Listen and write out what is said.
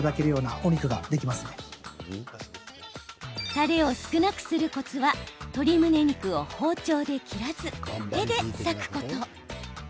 たれを少なくするコツは鶏むね肉を包丁で切らず手でさくこと。